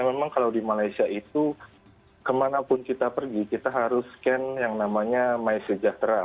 memang kalau di malaysia itu kemanapun kita pergi kita harus scan yang namanya mysejahtera